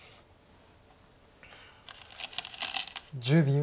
１０秒。